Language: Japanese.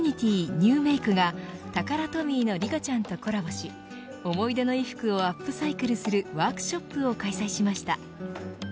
ＮｅｗＭａｋｅがタカラトミーのリカちゃんとコラボし思い出の衣服をアップサイクルするワークショップを開催しました。